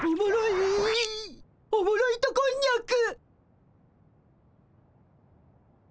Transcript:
おもろ糸こんにゃく。